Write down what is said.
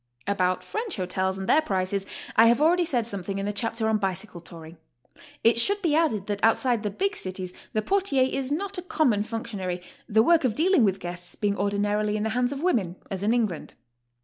About French hotels and their prices I have already said something in the chapter on Bicycle Tauring. It should be added that outside the big cities the portier is not a common functionary, the work of dealing with guests Being ordinarily in the hands of women, as in England.